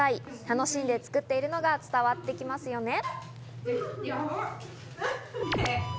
楽しんで作っているのが伝わってきますよね。